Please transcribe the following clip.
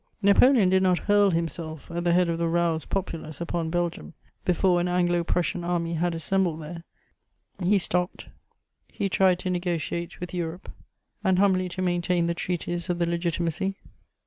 Napoleon did not hurl himself at the head of the roused populace upon Belgium, before an Anglo Prussian army had assembled there: he stopped; he tried to negociate with Europe and humbly to maintain the treaties of the Legitimacy.